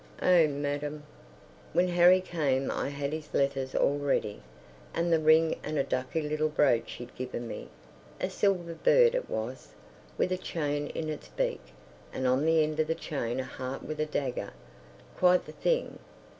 Oh, madam! When Harry came I had his letters all ready, and the ring and a ducky little brooch he'd given me—a silver bird it was, with a chain in its beak, and on the end of the chain a heart with a dagger. Quite the thing!